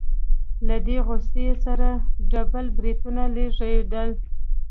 له ډېرې غوسې يې سره ډبل برېتونه لړزېدل.